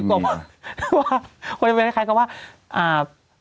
คนอีกก็เลยไหมใครว่า